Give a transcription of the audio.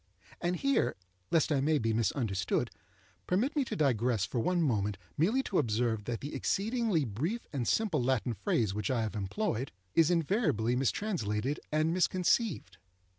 And here, lest I may be misunderstood, permit me to digress for one moment merely to observe that the exceedingly brief and simple Latin phrase which I have employed, is invariably mistranslated and misconceived.